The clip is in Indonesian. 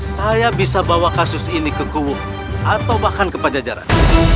saya bisa bawa kasus ini ke kuw atau bahkan ke pajajaran